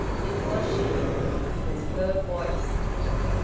It was she. It was her voice.